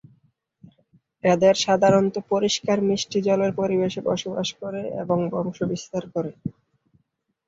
এদের সাধারণত পরিষ্কার মিষ্টি জলের পরিবেশে বসবাস করে এবং বংশ বিস্তার করে।